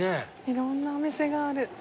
いろんなお店がある。